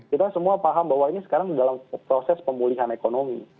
kita semua paham bahwa ini sekarang dalam proses pemulihan ekonomi